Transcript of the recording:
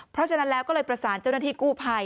เพราะฉะนั้นแล้วก็เลยประสานเจ้าหน้าที่กู้ภัย